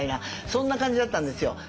そんな感じだったんですよ。